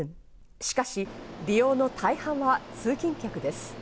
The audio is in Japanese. しかし利用の大半は通勤客です。